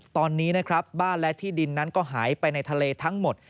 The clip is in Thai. ตอนนี้นะครับบ้านและที่ดินนั้นก็หายไปในทะเลทั้งหมด